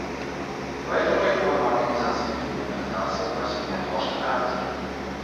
Поэтому реформа Организации Объединенных Наций носит неотложный характер.